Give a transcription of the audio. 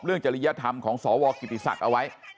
จริยธรรมของสวกิติศักดิ์เอาไว้